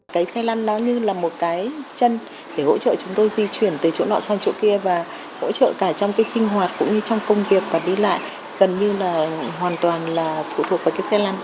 cái xe lăn nó như là một cái chân để hỗ trợ chúng tôi di chuyển từ chỗ nọ sang chỗ kia và hỗ trợ cả trong cái sinh hoạt cũng như trong công việc và đi lại gần như là hoàn toàn là phụ thuộc vào cái xe lăn